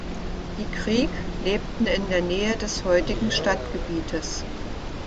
Die Creek lebten in der Nähe des heutigen Stadtgebietes.